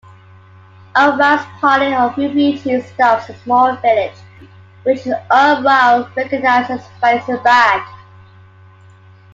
Umrao's party of refugees stops in a small village, which Umrao recognizes as Faizabad.